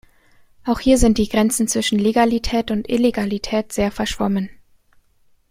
Auch hier sind die Grenzen zwischen Legalität und Illegalität sehr verschwommen.